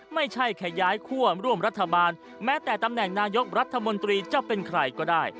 ไม่ใช่แค่ย้ายคั่วร่วมรัฐบาลแม้แต่ตำแหน่งนายกรัฐมนตรีจะเป็นใครก็ได้